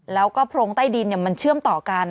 แล้วก็โพรงใต้ดินมันเชื่อมต่อกัน